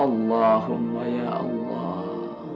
allahumma ya allah